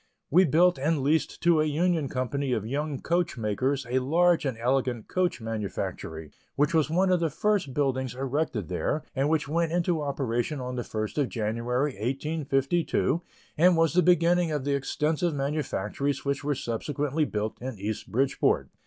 We built and leased to a union company of young coach makers a large and elegant coach manufactory, which was one of the first buildings erected there, and which went into operation on the first of January, 1852, and was the beginning of the extensive manufactories which were subsequently built in East Bridgeport.